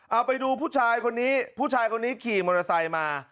เอาไปดูผู้ชายคนนี้ผู้ชายคนนี้ขี่มอเตอร์ไซค์มา